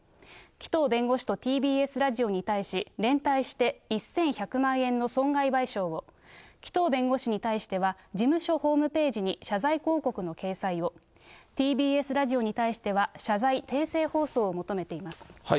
紀藤弁護士とＴＢＳラジオに対し、連帯して１１００万円の損害賠償を、紀藤弁護士に対しては、事務所ホームページに謝罪広告の掲載を、ＴＢＳラジオに対しては、謝罪訂正放送を求めています。